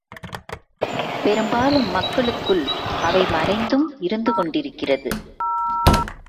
பெரும்பாலும், மக்களுக்குள் அவை மறைந்தும் இருந்து கொண்டிருக்கிறது.